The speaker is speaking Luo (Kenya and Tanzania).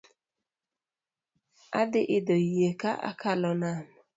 Adhi idho yie ka akalo nam